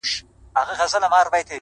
تا دي کرلي ثوابونه د عذاب وخت ته ـ